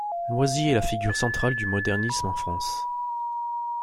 Loisy est la figure centrale du modernisme en France.